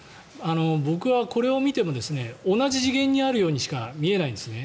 僕はこれを見ても同じ次元にあるようにしか見えないんですね。